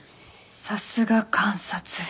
さすが監察